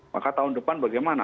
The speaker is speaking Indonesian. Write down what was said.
maka tahun depan bagaimana